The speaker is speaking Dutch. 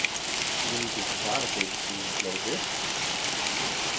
Ziet u niet hoe gevaarlijk deze groeiende kloof is?